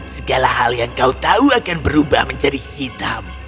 segala hal yang kau tahu akan berubah menjadi hitam